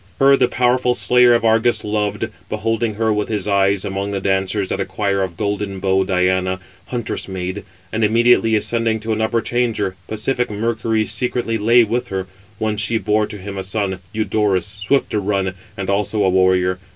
Her the powerful slayer of Argus 514 loved, beholding her with his eyes among the dancers at a choir of golden bowed Diana, huntress maid; and immediately ascending to an upper chamber, pacific Mercury secretly lay with her: whence she bore to him a son, Eudorus, swift to run, and also a warrior.